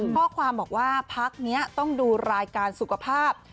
ข้อความบอกว่าพักนี้ต้องดูรายการสุขภาพ